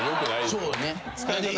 そうね。